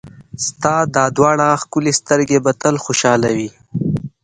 ستا دا دواړه ښکلې سترګې به تل خوشحاله وي.